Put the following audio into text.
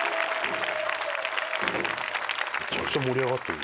めちゃくちゃ盛り上がってる。